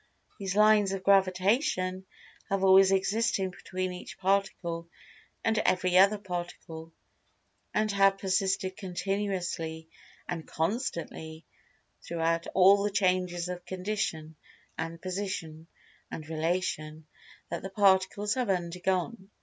These Lines of Gravitation have always existed between each Particle and every other Particle, and have persisted continuously and constantly, throughout all the changes of condition, and position, and relation, that the Particles have undergone.